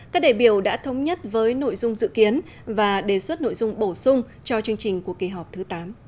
các đại biểu đã thống nhất với nội dung dự kiến và đề xuất nội dung bổ sung cho chương trình của kỳ họp thứ tám